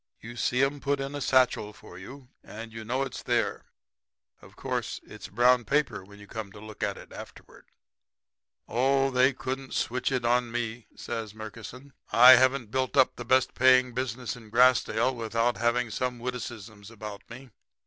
You see 'em put it in a satchel for you and know it's there. Of course it's brown paper when you come to look at it afterward.' [Illustration: "'Of course, it's brown paper.'"] "'Oh, they couldn't switch it on me,' says Murkison. 'I haven't built up the best paying business in Grassdale without having witticisms about me.